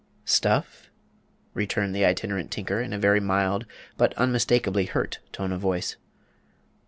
"Stuff?" returned the Itinerant Tinker, in a very mild, but unmistakably hurt tone of voice.